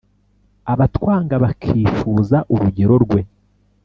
abatwanga bakifuza urugero rwe.